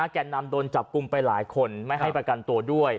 แก่นำโดนจับกลุ่มไปหลายคนไม่ให้ประกันตัวด้วย